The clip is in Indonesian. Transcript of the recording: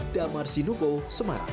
damar sinubu semarang